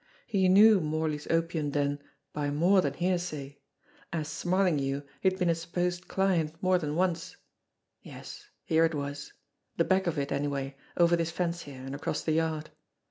He knew Morley's opium den by more than hear say. As Smarlinghue, he had been a supposed client more than once. Yes, here it was the back of it, anyway, over this fence here, and across the yard.